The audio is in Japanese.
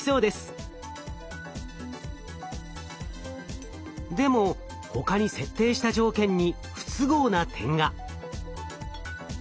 でも他に設定した条件に不都合な点が。